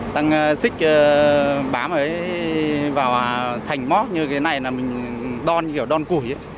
tăng xích bám vào thành móc như cái này là mình đon kiểu đon củi